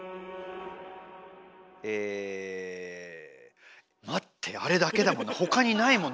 待ってあれだけだもんなほかにないもんな水張ってるの。